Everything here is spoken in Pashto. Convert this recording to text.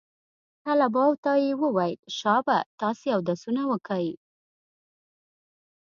طلباو ته يې وويل شابه تاسې اودسونه وکئ.